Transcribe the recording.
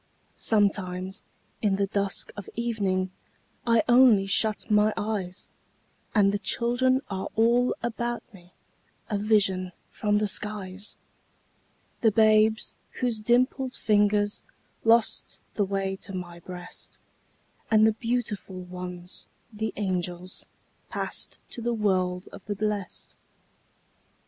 Sometimes, in the dusk of evening, I only shut my eyes, And the children are all about me, A vision from the skies: The babes whose dimpled fingers Lost the way to my breast, And the beautiful ones, the angels, Passed to the world of the blest.